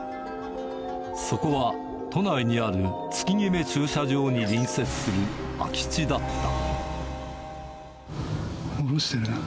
そこは都内にある月ぎめ駐車場に隣接する空き地だった。